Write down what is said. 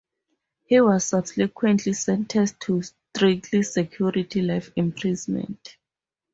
He was subsequently sentenced to strict-security life imprisonment.